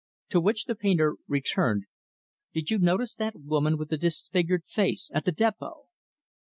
To which the painter returned, "Did you notice that woman with the disfigured face, at the depot?"